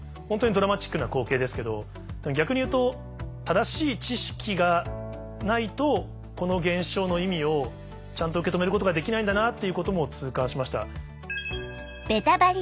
ホントにドラマチックな光景ですけど逆に言うと正しい知識がないとこの現象の意味をちゃんと受け止めることができないんだなっていうことも痛感しました。